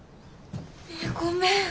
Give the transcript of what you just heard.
ごめん！